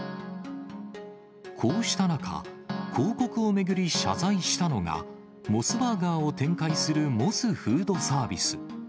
こうした中、広告を巡り謝罪したのが、モスバーガーを展開するモスフードサービス。